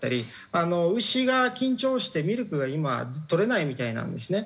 牛が緊張してミルクが今とれないみたいなんですね。